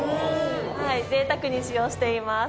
はい贅沢に使用しています。